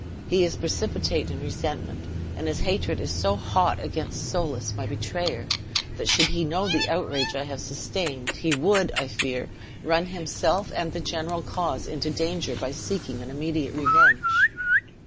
He is precipitate in resentment; and his hatred is so hot against Soulis, my betrayer, that should he know the outrage I have sustained he would, I fear, run himself and the general cause into danger by seeking an immediate revenge."